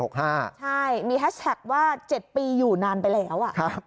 ใช่มีแฮชแท็กว่า๗ปีอยู่นานไปแล้ว